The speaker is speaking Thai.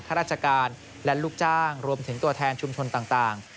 ข้าราชการและลูกจ้างรวมถึงตัวแทนชุมชนต่าง